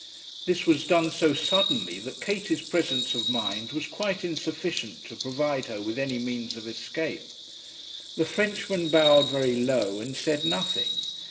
This was done so suddenly, that Katie's presence of mind was quite insufficient to provide her with any means of escape. The Frenchman bowed very low and said nothing.